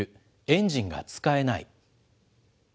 エンジンが使えない。